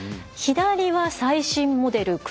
左は、最新モデル。